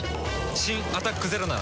新「アタックＺＥＲＯ」なら。